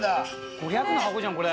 ５００の箱じゃんこれ！